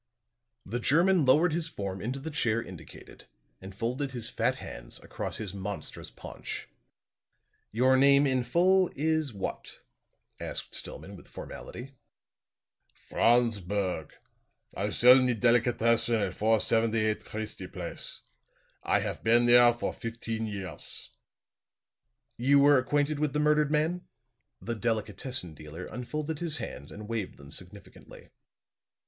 The German lowered his form into the chair indicated and folded his fat hands across his monstrous paunch. "Your name in full is what?" asked Stillman with formality. "Franz Berg. I sell me delicatessen at 478 Christie Place. I haf been there for fifteen years." "You were acquainted with the murdered man?" The delicatessen dealer unfolded his hands and waved them significantly.